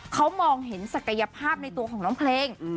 เขามองเห็นศักยภาพในตัวของน้องเพลง